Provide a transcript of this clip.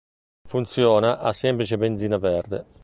Funziona a semplice benzina verde.